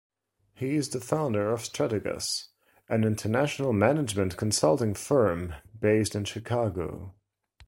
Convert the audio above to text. He is a founder of Strategos, an international management consulting firm based in Chicago.